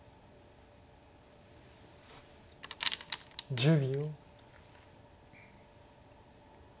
１０秒。